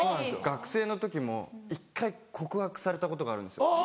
学生の時も１回告白されたことがあるんですよ。